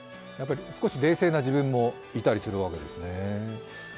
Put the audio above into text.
少し冷静な自分もいたりするわけですね。